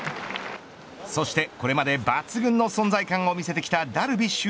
そしてこれまで、抜群の存在感を見せてきたダルビッシュ